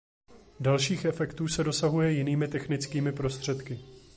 Dalších efektů se dosahuje jinými technickými prostředky.